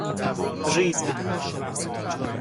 رید